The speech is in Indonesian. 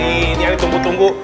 ini yang ditunggu tunggu